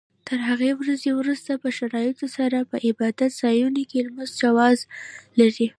تر هغې ورځې وروسته په شرایطو سره په عبادت ځایونو کې لمونځ جواز لري.